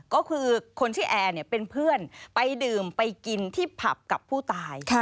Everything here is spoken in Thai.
ก็คือคนชื่อแอร์เป็นเพื่อนไปดื่มไปกินที่ผับกับผู้ตาย